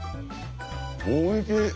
おいしい。